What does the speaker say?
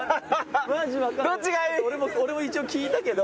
俺も一応聞いたけど。